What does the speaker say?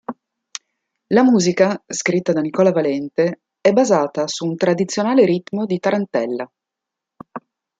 La musica, scritta da Nicola Valente, è basata su un tradizionale ritmo di tarantella.